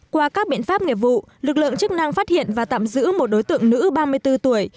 qua các biện pháp nghiệp vụ lực lượng chức năng phát hiện và tạm giữ một đối tượng nữ ba mươi bốn tuổi